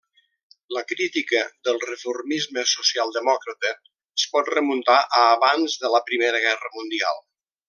La crítica del reformisme socialdemòcrata es pot remuntar a abans de la Primera Guerra Mundial.